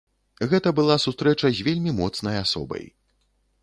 Гэта была сустрэча з вельмі моцнай асобай.